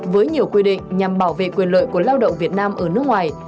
với nhiều quy định nhằm bảo vệ quyền lợi của lao động việt nam ở nước ngoài